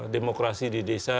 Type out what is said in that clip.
demokrasi di desa